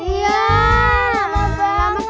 iya lama banget